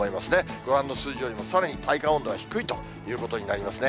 ご覧の数字よりも、さらに体感温度が低いということになりますね。